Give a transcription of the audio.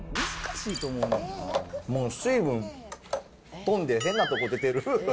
もう水分飛んで、変なとこ出てる。